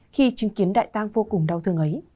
khi chứng kiến đại ta vô cùng đau thương ấy